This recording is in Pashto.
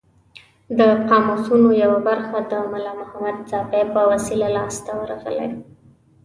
د قاموسونو یوه برخه د ملا محمد ساپي په وسیله لاس ته ورغلې.